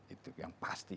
itu yang pasti